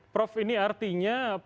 prof ini artinya